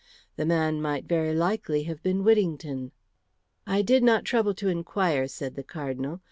The man might very likely have been Whittington. "I did not trouble to inquire," said the Cardinal.